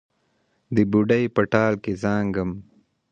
د بوډۍ په ټال کې زانګم